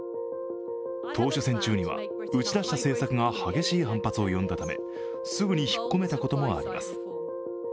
党首選中には、打ち出した政策が激しい反発を呼んだため、すぐに引っ込めたこともあります。